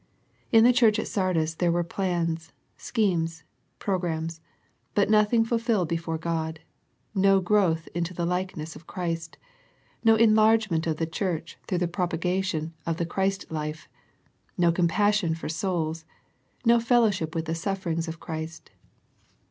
In the church at Sardis there were plans, schemes, programmes, but nothing fulfilled be ^ fore God, no growth into the likeness of Christ, no enlargement of the church through the prop agation of the Christ life, no compassion for souls, no fellowship with the sufiferings of ^ Christ.